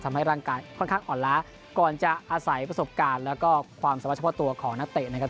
ทำให้ร่างกายค่อนข้างอ่อนล้าก่อนจะอาศัยประสบการณ์แล้วก็ความสามารถเฉพาะตัวของนักเตะนะครับ